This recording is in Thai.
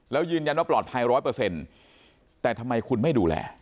แล้วยืนยันว่าปลอดภัยร้อยเปอร์เซ็นต์แต่ทำไมคุณไม่ดูแล